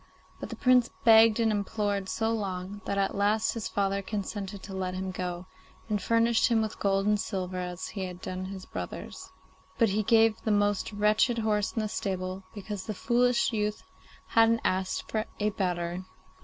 But the Prince begged and implored so long, that at last his father consented to let him go, and furnished him with gold and silver as he had done his brothers. But he gave him the most wretched horse in his stable, because the foolish youth hadn't asked for a better.